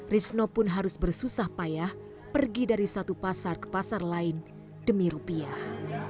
risno pun harus bersusah payah pergi dari satu pasar ke pasar lain demi rupiah